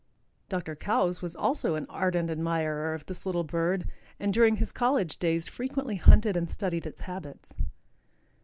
Dr. Coues was also an ardent admirer of this little bird and during his college days frequently hunted and studied its habits.